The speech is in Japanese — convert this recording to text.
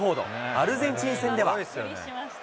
アルゼンチン戦では。